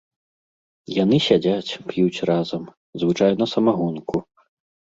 Яны сядзяць, п'юць разам, звычайна самагонку.